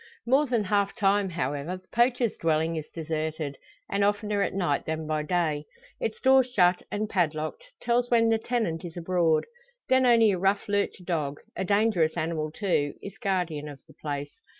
More than half time however, the poacher's dwelling is deserted, and oftener at night than by day. Its door shut, and padlocked, tells when the tenant is abroad. Then only a rough lurcher dog a dangerous animal, too is guardian of the place.